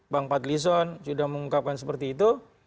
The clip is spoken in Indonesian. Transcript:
bang pat lison sudah mengungkapkan seperti itu